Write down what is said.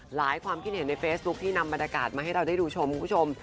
ความคิดเห็นในเฟซบุ๊คที่นำบรรยากาศมาให้เราได้ดูชมคุณผู้ชม